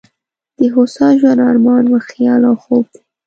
د هوسا ژوند ارمان مو خیال او خوب دی.